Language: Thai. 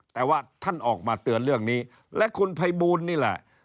แต่ว่าท่านออกมาเตือนเรื่องนี้และคุณภัยบูลนี่แหละ